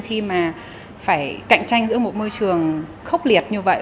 khi mà phải cạnh tranh giữa một môi trường khốc liệt như vậy